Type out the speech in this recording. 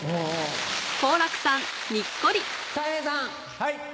はい。